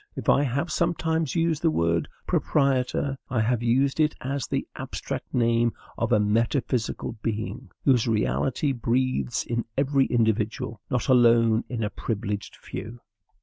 If I have sometimes used the word PROPRIETOR, I have used it as the abstract name of a metaphysical being, whose reality breathes in every individual, not alone in a privileged few.